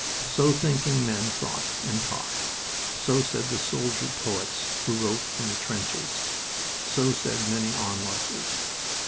So thinking men thought and talked. So said the soldier poets who wrote from the trenches. So said many onlookers.